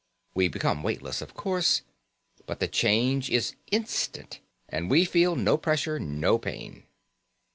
We become weightless, of course, but the change is instant and we feel no pressure, no pain."